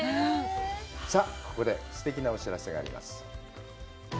さあ、ここですてきなお知らせがあります。